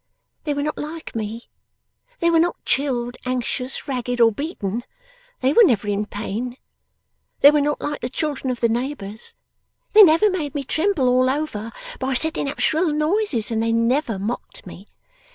They were not like me; they were not chilled, anxious, ragged, or beaten; they were never in pain. They were not like the children of the neighbours; they never made me tremble all over, by setting up shrill noises, and they never mocked me.